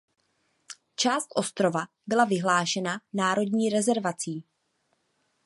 Část ostrova byla vyhlášena národní rezervací.